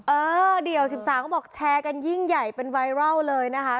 เออเดี่ยว๑๓ก็บอกแชร์กันยิ่งใหญ่เป็นไวรัลเลยนะคะ